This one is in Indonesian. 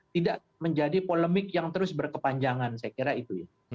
tidak menjadi polemik yang terus berkepanjangan saya kira itu ya